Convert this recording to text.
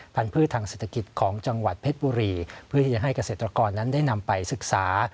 พันธุ์ทางเศรษฐกิจของจังหวัดเพชรบุรีเพื่อที่จะให้เกษตรกรนั้นได้นำไปศึกษา